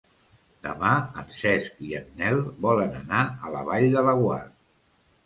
Demà en Cesc i en Nel volen anar a la Vall de Laguar.